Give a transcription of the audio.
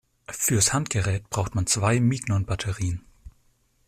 Fürs Handgerät braucht man zwei Mignon-Batterien.